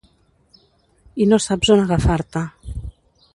I no saps on agafar-te.